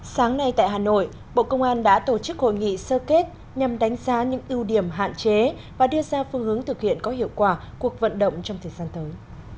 sáng nay tại hà nội bộ công an đã tổ chức hội nghị sơ kết nhằm đánh giá những ưu điểm hạn chế và đưa ra phương hướng thực hiện có hiệu quả cuộc vận động trong thời gian tới